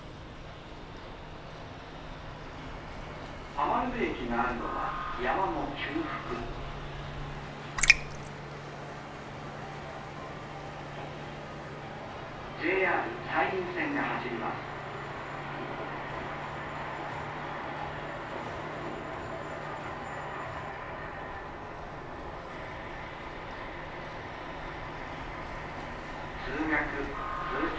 餘部駅があるのは山の中腹ＪＲ山陰線が走ります通学通勤。